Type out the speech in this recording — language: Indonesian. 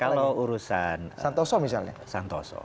kalau urusan santoso misalnya